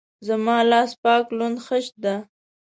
زما لاس پاک لوند خيشت ده.